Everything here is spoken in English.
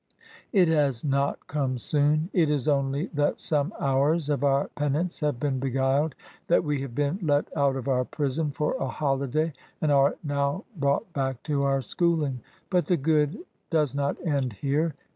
It has not come soon ;— ^it is only that some hours of our penance have been beguiled, — that we have been let out of our prison for a holiday, and are now brought back to our schooling. But the good does not end here.